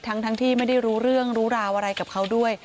ทั้งที่ไม่ได้รู้เรื่องรู้ราวอะไรกับเขาด้วย